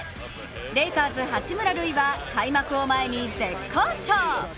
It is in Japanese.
レイカーズ・八村塁は開幕を前に絶好調。